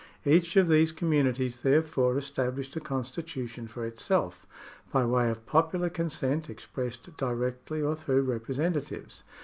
Each of these communities there upon established a constitution for itself, by way of popular consent expressed directly or through representatives.